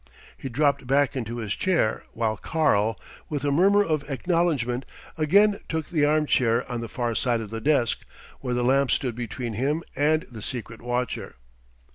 He dropped back into his chair, while "Karl" with a murmur of acknowledgment again took the armchair on the far side of the desk, where the lamp stood between him and the secret watcher.